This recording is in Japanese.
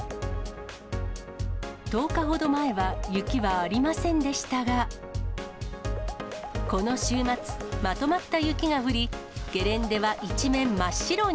１０日ほど前は雪はありませんでしたが、この週末、まとまった雪が降り、ゲレンデは一面真っ白に。